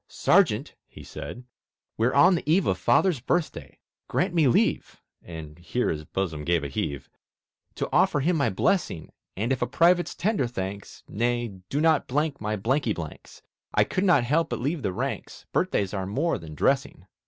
"Sergeant," he said, "we're on the eve Of Father's birthday; grant me leave" (And here his bosom gave a heave) "To offer him my blessing; And, if a Private's tender thanks Nay, do not blank my blanky blanks! I could not help but leave the ranks; Birthdays are more than dressing."